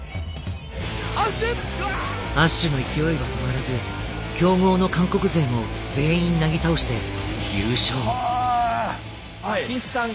アッシュの勢いは止まらず強豪の韓国勢も全員なぎ倒して優勝。